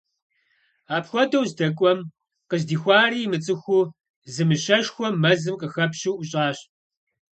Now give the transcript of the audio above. Апхуэдэу здэкӏуэм къыздихуари имыцӏыхуу, зы мыщэшхуэ мэзым къыхэпщу ӏущӏащ.